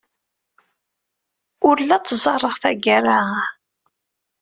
Ur la t-ẓẓareɣ tagara-a.